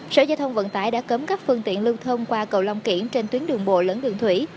sở giao thông vận tải đã cấm các phương tiện lưu thông qua cầu long kiển trên tuyến đường bộ lẫn đường thủy